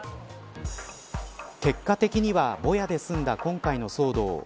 結果的にはボヤで済んだ今回の騒動。